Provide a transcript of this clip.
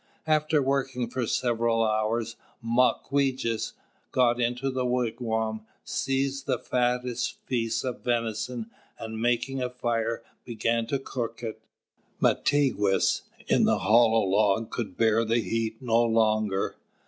After working for several hours, Mawquejess got into the wigwam, seized the fattest piece of venison, and making a fire, began to cook it. Mātigwess in the hollow log could bear the heat no longer.